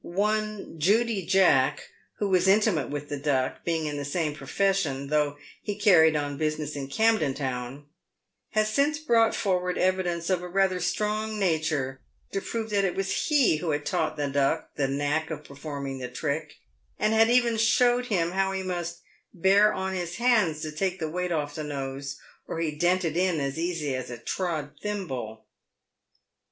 One Judy Jack, who was intimate with the Duck — being in the same profession, though he carried on business in Camden Town — has since brought forward evidence of a rather strong nature to prove that it was he who had taught the Duck the knack of performing the trick, and had even showed him how he must " bear on his hands to take the weight off the nfcse, or he'd dent it in as easy as a trod thimble."